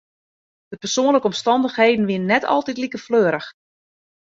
De persoanlike omstannichheden wiene net altiten like fleurich.